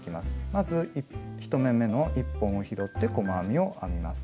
まず１目めの１本を拾って細編みを編みます。